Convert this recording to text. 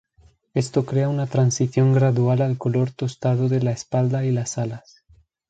Esto crea una transición gradual al color tostado de la espalda y las alas.